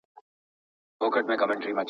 که سپورت وي نو بدن نه سستیږي.